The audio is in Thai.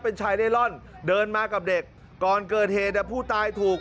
เป็นชายเร่ร่อนเดินมากับเด็กก่อนเกิดเหตุผู้ตายถูก